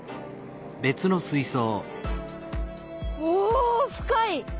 おお深い！